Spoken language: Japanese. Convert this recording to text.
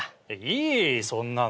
いいそんなの。